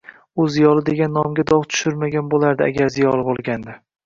U ziyoli degan nomga dog‘ tushirmagan bo‘lardi agar ziyoli bo‘lganda.